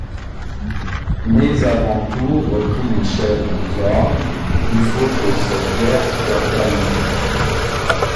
Mais avant tout, reprit Michel Zorn, il faut que cette guerre soit terminée.